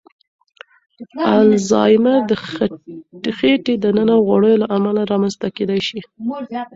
الزایمر د خېټې دننه غوړو له امله رامنځ ته کېدای شي.